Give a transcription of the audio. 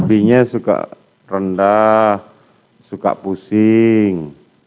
hb nya suka rendah suka pusing